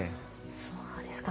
そうですか。